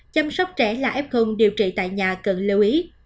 chăm sóc trẻ là f điều trị tại nhà cần lưu ý